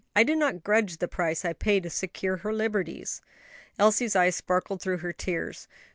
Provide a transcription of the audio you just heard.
I do not grudge the price I pay to secure her liberties." Elsie's eyes sparkled through her tears.